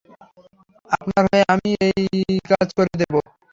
আপনার হয়ে আমিই ওই কাজ করে দেবো।